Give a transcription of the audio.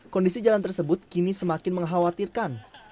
kondisi jalan tersebut kini semakin mengkhawatirkan